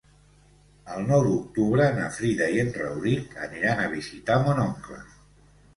El nou d'octubre na Frida i en Rauric aniran a visitar mon oncle.